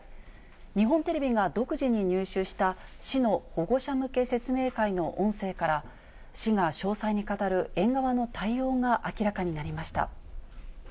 日本テレビが独自に入手した市の保護者向け説明会の音声から、市が詳細に語る園側の対応が明らかになりました。